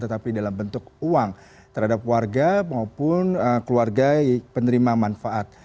tetapi dalam bentuk uang terhadap warga maupun keluarga penerima manfaat